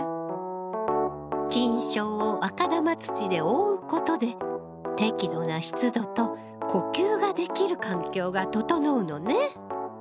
菌床を赤玉土で覆うことで適度な湿度と呼吸ができる環境が整うのね！